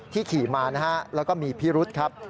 ที่ขี่มานะครับแล้วก็มีพิรุธครับ